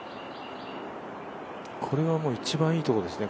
これはもう一番いいところですね